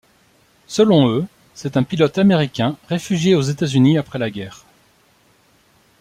Selon eux, c’est un pilote américain réfugié aux États-Unis après la guerre.